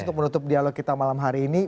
untuk menutup dialog kita malam hari ini